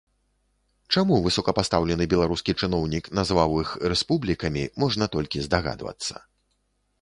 Чаму высокапастаўлены беларускі чыноўнік назваў іх рэспублікамі, можна толькі здагадвацца.